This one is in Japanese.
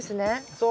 そう。